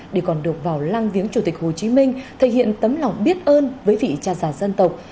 để còn được vào lăng viếng chủ tịch hồ chí minh thể hiện tấm lòng biết ơn với vị cha già dân tộc